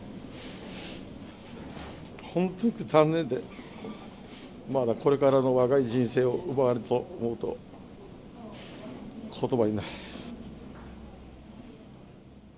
本当に残念で、まだこれからの若い人生を奪われたと思うと、ことばにならないです。